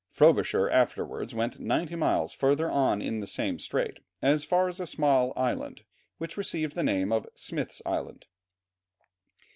Frobisher afterwards went ninety miles further on in the same strait, as far as a small island, which received the name of Smith's Island.